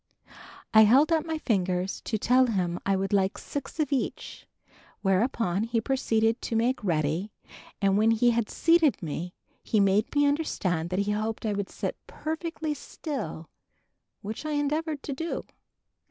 I held up my fingers, to tell him I would like six of each, whereupon he proceeded to make ready and when he had seated me, he made me understand that he hoped I would sit perfectly still, which I endeavored to do.